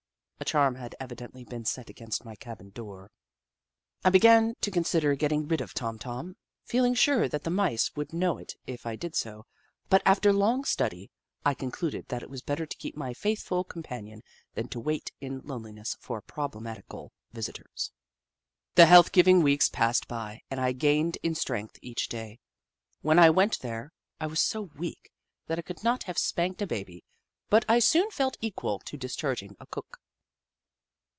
A charm had evi dently been set against my cabin door. I began to consider getting rid of Tom Tom, feeling sure that the Mice would know it if I did so, but after long study, I concluded that it was better to keep my faithful com panion than to wait in loneliness for problem atical visitors. The health giving weeks passed by, and I gained in strength each day. When I went there, I was so weak that I could not have spanked a baby, but I soon felt equal to dis charging a cook.